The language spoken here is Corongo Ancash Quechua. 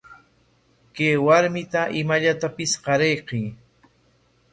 Kay warmita imallatapis qarayuy.